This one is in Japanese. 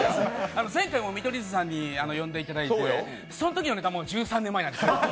前回も見取り図さんに呼んでいただいて、そのときのネタも１３年前なんですよ。